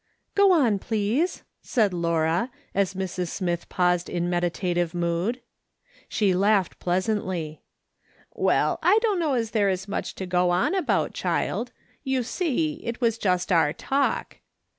" Go on, please," said Laura, as Mrs. Smith paused in meditative mood. She laughed pleasantly. " Well, I dunno as there is much to go on about, child ; you see, it was just our talk.